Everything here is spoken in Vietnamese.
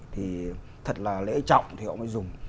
thì thật là lễ trọng thì họ mới dùng